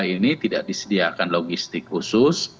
karena mereka tidak bisa memiliki logistik khusus